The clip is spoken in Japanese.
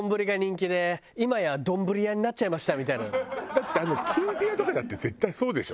だってあのきんぴらとかだって絶対そうでしょ？